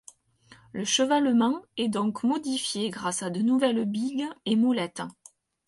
Le chevalement est donc modifié grâce à de nouvelles bigues et molettes.